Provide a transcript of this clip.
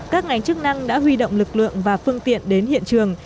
các ngành chức năng đã huy động lực lượng và phương tiện đến hiện trường